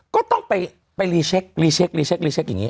ก็ต้องไปรีเช็คกันอย่างนี้